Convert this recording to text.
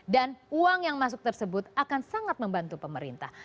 dan uang yang masuk tersebut akan sangat membantu pemerintah